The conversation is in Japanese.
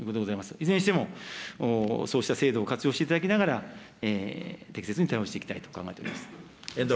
いずれにしても、そうした制度を活用していただきながら、適切に対応していきたいと考えております。